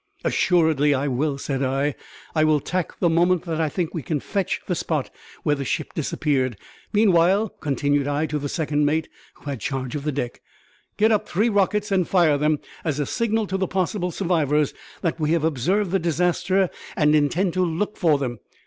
"Assuredly I will," said I. "I will tack the moment that I think we can fetch the spot where the ship disappeared. Meanwhile," continued I, to the second mate, who had charge of the deck, "get up three rockets and fire them, as a signal to the possible survivors that we have observed the disaster, and intend to look for them.